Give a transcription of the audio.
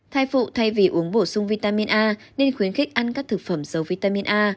thai phụ thay vì uống bổ sung vitamin a nên khuyến khích ăn các thực phẩm dầu vitamin a